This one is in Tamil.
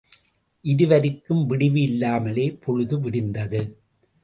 இருவருக்கும் விடிவு இல்லாமலே பொழுது விடிந்தது.